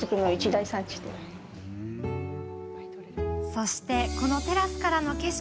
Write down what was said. そして、このテラスからの景色。